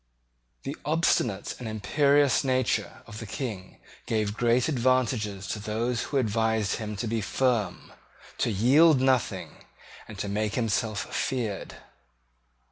The obstinate and imperious nature of the King gave great advantages to those who advised him to be firm, to yield nothing, and to make himself feared.